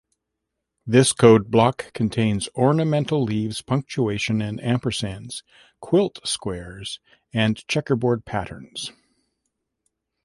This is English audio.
This code block contains ornamental leaves, punctuation, and ampersands, quilt squares, and checkerboard patterns.